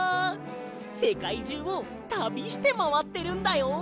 せかいじゅうをたびしてまわってるんだよ。